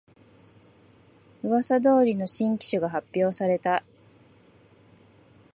うわさ通りの新機種が発表された